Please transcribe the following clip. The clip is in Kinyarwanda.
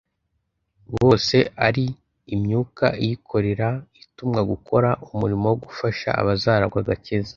bose ari imyuka iyikorera, itumwa gukora umurimo wo gufasha abazaragwa agakiza.»